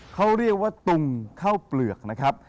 เขาเรียกว่าตุงข้าวเปลือกนะครับ